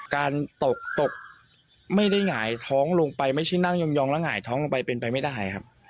การตกตกไม่ได้หงายท้องลงไปไม่ใช่นั่งยองแล้วหงายท้องลงไปเป็นไปไม่ได้ครับ